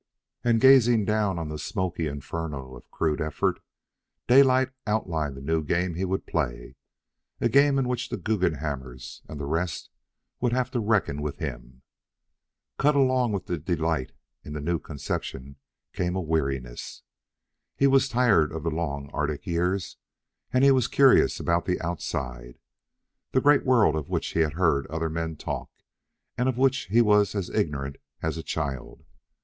And, gazing down on the smoky inferno of crude effort, Daylight outlined the new game he would play, a game in which the Guggenhammers and the rest would have to reckon with him. Cut along with the delight in the new conception came a weariness. He was tired of the long Arctic years, and he was curious about the Outside the great world of which he had heard other men talk and of which he was as ignorant as a child.